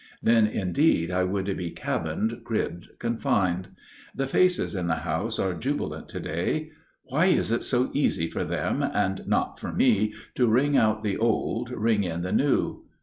Then indeed I would be "cabined, cribbed, confined." The faces in the house are jubilant to day. Why is it so easy for them and not for me to "ring out the old, ring in the new"?